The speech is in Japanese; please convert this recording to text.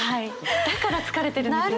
だから疲れてるんですよね。